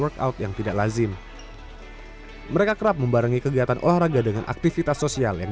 workout yang tidak lazim mereka kerap membarangi kegiatan olahraga dengan aktivitas sosial yang